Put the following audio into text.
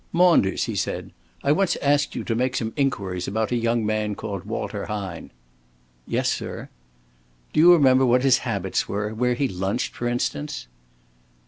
"Maunders," he said, "I once asked you to make some inquiries about a young man called Walter Hine." "Yes, sir." "Do you remember what his habits were? Where he lunched, for instance?"